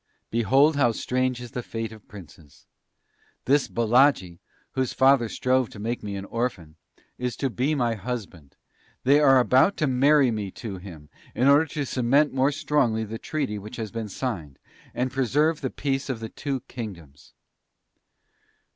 behold how strange is the fate of princes! This Baladji, whose father strove to make me an orphan is to be my husband they are about to marry me to him, in order to cement more strongly the Treaty which has been signed, and preserve the peace of the two Kingdoms."